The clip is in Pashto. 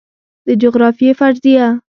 د جغرافیې فرضیه